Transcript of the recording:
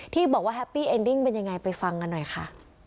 ที่บอกว่าแฮปปี้เอ็นดิ้งเป็นยังไงไปฟังกันหน่อยค่ะ